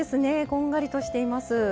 こんがりとしています。